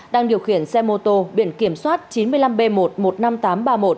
đang điều khiển xe mô tô biển kiểm soát chín mươi năm b một một mươi năm nghìn tám trăm ba mươi một